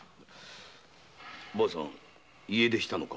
婆さん家出したのか？